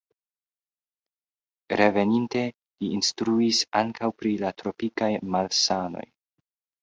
Reveninte li instruis ankaŭ pri la tropikaj malsanoj.